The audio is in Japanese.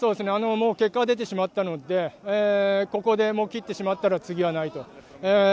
もう結果は出てしまったので、ここでもう切ってしまったら、次はないと。